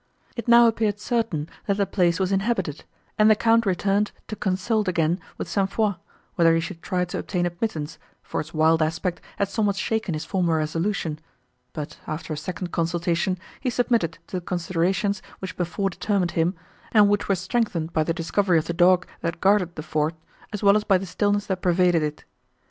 It now appeared certain, that the place was inhabited, and the Count returned to consult again with St. Foix, whether he should try to obtain admittance, for its wild aspect had somewhat shaken his former resolution; but, after a second consultation, he submitted to the considerations, which before determined him, and which were strengthened by the discovery of the dog, that guarded the fort, as well as by the stillness that pervaded it.